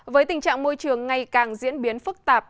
với tình trạng môi trường ngày càng diễn biến phức tạp